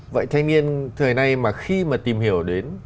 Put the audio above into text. vậy thanh niên thời nay mà khi mà tìm hiểu đến